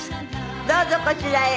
どうぞこちらへ。